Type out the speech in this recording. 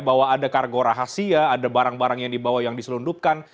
bahwa ada kargo rahasia ada barang barang yang dibawa yang diselundupkan